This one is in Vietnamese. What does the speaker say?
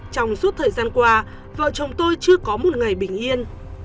trong suốt thời gian qua vợ chồng tôi chưa có một ngày bình yên